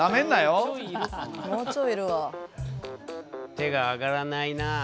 手が挙がらないなあ。